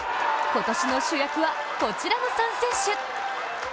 今年の主役はこちらの３選手。